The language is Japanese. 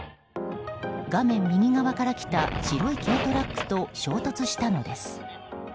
画面右側から来た白い軽トラックと衝突したのです。